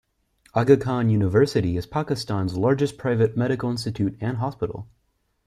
Aga Khan University is Pakistan's largest private medical institute and hospital.